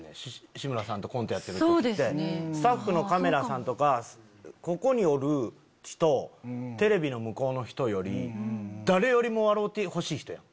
志村さんとコントやってる時ってスタッフのカメラさんとかここにおる人テレビの向こうの人より誰よりも笑うてほしい人やん。